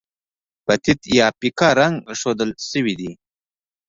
په تت یا پیکه رنګ ښودل شوي دي.